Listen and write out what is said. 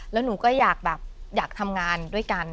แล้วหนูก็อยากธรรมงานด้วยกัน